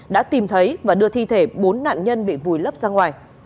đã tìm thấy và đưa thi thể bốn nạn nhân bị vùi lấp ra ngoài